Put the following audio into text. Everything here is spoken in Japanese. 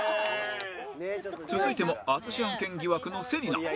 続いても淳案件疑惑の芹那